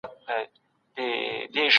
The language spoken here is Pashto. عام خلک د ټیټو بیو څخه ګټه اخلي.